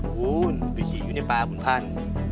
โอ้โฮไปขี่อยู่ในปลาของพ่าน